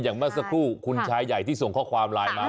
เมื่อสักครู่คุณชายใหญ่ที่ส่งข้อความไลน์มา